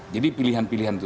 jadi pilihan pilihan itu